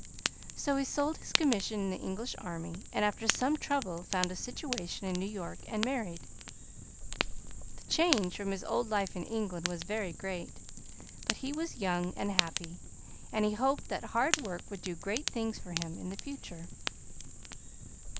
So he sold his commission in the English army, and after some trouble found a situation in New York, and married. The change from his old life in England was very great, but he was young and happy, and he hoped that hard work would do great things for him in the future.